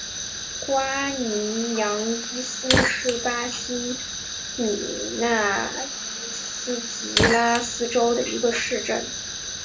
瓜尼扬伊斯是巴西米纳斯吉拉斯州的一个市镇。